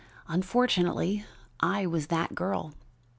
Unfortunately, I was that girl.